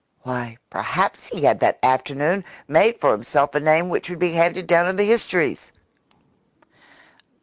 Why, perhaps he had that afternoon made for himself a name which would be handed down in the histories!